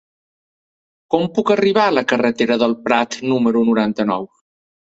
Com puc arribar a la carretera del Prat número noranta-nou?